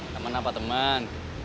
temen apa temen